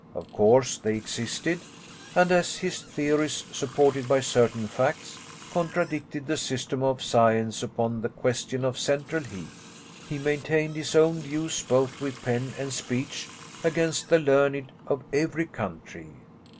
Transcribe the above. Of course they existed, and as his theories, supported by certain facts, contradicted the system of science upon the question of central heat, he maintained his own views both with pen and speech against the learned of every country.